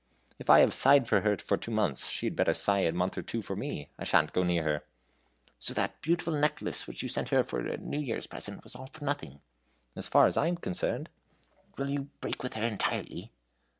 "If I have sighed for her for two months, she had better sigh a month or two for me. I sha'n't go near her." "So that beautiful necklace which you sent her for a New Year's present was all for nothing?" "As far as I am concerned." "Will you break with her entirely?"